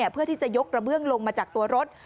เพื่อที่จะยกระเบื้องลงมาจากตัวรถ